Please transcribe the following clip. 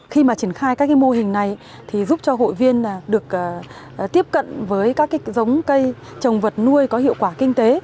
khi mà triển khai các mô hình này thì giúp cho hội viên được tiếp cận với các giống cây trồng vật nuôi có hiệu quả kinh tế